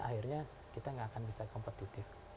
akhirnya kita nggak akan bisa kompetitif